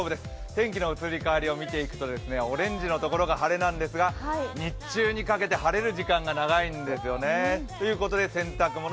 天気の移り変わりを見ていくと、オレンジのところが晴れなんですが、日中にかけて晴れる時間が長いんですよね。ということで洗濯物